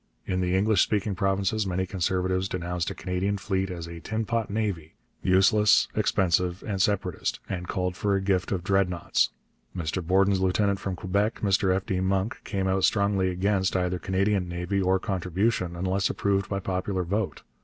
In the English speaking provinces many Conservatives denounced a Canadian fleet as 'a tinpot navy,' useless, expensive, and separatist, and called for a gift of Dreadnoughts. Mr Borden's lieutenant from Quebec, Mr F. D. Monk, came out strongly against either Canadian navy or contribution, unless approved by popular vote.